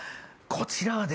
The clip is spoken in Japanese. こちらはですね